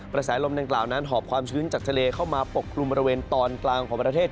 กระแสลมดังกล่าวนั้นหอบความชื้นจากทะเลเข้ามาปกกลุ่มบริเวณตอนกลางของประเทศ